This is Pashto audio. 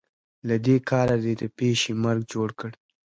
له دې کاره دې د پيشي مرګ جوړ کړ.